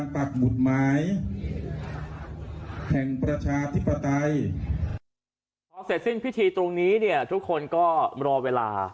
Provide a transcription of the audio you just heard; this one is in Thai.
พอเสร็จสิ้นพิธีตรงนี้เนี่ยทุกคนก็รอเวลา